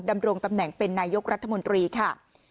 ดำรงตำแหน่งเป็นนายกรัฐมนตรีค่ะ